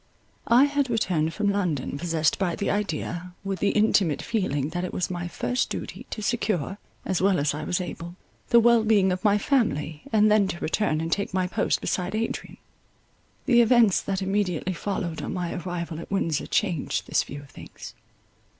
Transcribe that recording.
I had returned from London possessed by the idea, with the intimate feeling that it was my first duty to secure, as well as I was able, the well being of my family, and then to return and take my post beside Adrian. The events that immediately followed on my arrival at Windsor changed this view of things.